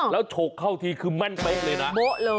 แล้วโฉกเข้าทีคือแม่นไปเลยนะ